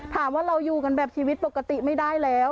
เราอยู่กันแบบชีวิตปกติไม่ได้แล้ว